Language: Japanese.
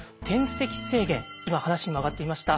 今話にも上がっていました